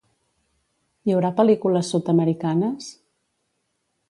Hi haurà pel·lícules sud-americanes?